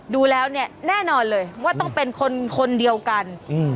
ดูแล้วเนี่ยแน่นอนเลยว่าต้องเป็นคนเดียวกัน